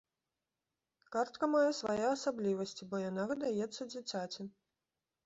Картка мае свае асаблівасці, бо яна выдаецца дзіцяці.